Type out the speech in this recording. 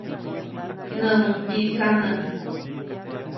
Näʼmuŋ pyiʼtsanä.